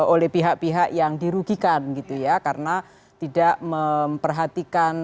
oleh pihak pihak yang dirugikan gitu ya karena tidak memperhatikan